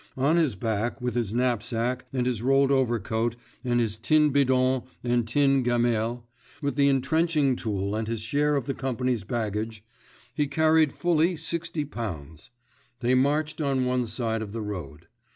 On his back, with his knapsack, and his rolled overcoat and his tin bidon and tin gamelle, with the intrenching tool and his share of the company's baggage, he carried fully sixty pounds. They marched on one side of the road.